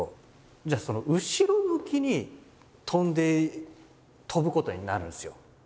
じゃあ後ろ向きに飛んで飛ぶことになるんですよ。